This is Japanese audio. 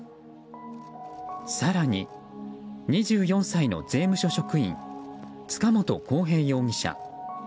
更に２４歳の税務署職員塚本晃平容疑者。